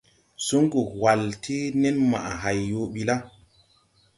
Sungu whal ti nenmaʼa hay yõõ bi la.